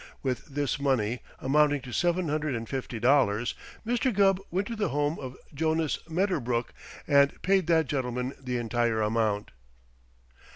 With this money, amounting to seven hundred and fifty dollars, Mr. Gubb went to the home of Jonas Medderbrook and paid that gentleman the entire amount.